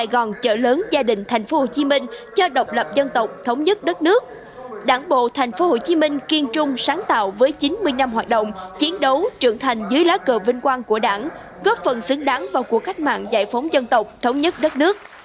góp phần xứng đáng vào cuộc khách mạng giải phóng dân tộc thống nhất đất nước